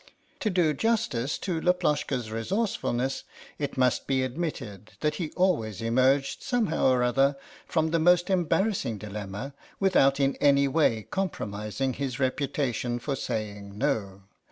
To do justice to Laploshka's resourcefulness it must be admitted that he always emerged somehow or other from the most embarrassing dilemma without in any way compromising his reputation for saying "No."